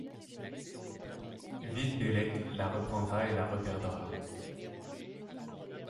Vid Belec la reprendra et la reperdra.